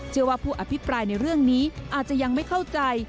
ว่าผู้อภิปรายในเรื่องนี้อาจจะยังไม่เข้าใจ